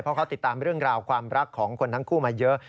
เพราะเขาติดตามเรื่องราวความรักของคนทั้งคู่มาเยอะ